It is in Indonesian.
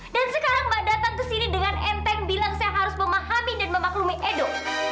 dan sekarang mbak datang ke sini dengan enteng bilang saya harus memahami dan memaklumi edo